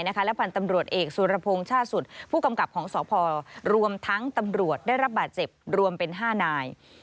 และพันธ์ตำรวจเอกสุรพงศ์ชาติสุดผู้กำกับของสพรวมทั้งตำรวจได้รับบาดเจ็บรวมเป็น๕นาย